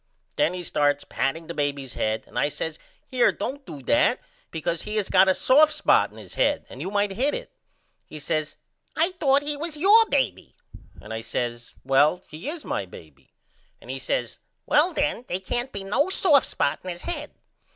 Then he starts patting the baby's head and I says Here, don't do that because he has got a soft spot in his head and you might hit it. He says I thought he was your baby and I says Well he is my baby and he says Well then they can't be no soft spot in his head.